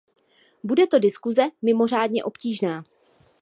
Bude to diskuze mimořádně obtížná.